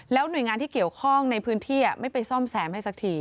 หน่วยงานที่เกี่ยวข้องในพื้นที่ไม่ไปซ่อมแซมให้สักที